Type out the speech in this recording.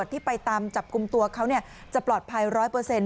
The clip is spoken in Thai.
ที่ไปตามจับกลุ่มตัวเขาจะปลอดภัยร้อยเปอร์เซ็นต